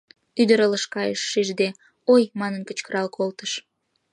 Ӱдыр ылыж кайыш, шижде, «Ой!» манын кычкырал колтыш.